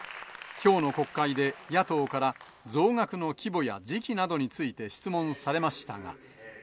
きょうの国会で、野党から増額の規模や時期などについて質問されましたが。